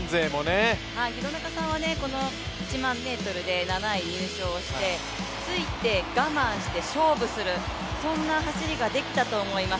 廣中さんは１００００ｍで７位入賞して、ついて我慢して勝負する、そんな走りができたと思います。